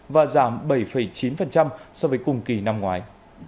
và giảm bảy chín so với cùng kỳ năm ngoái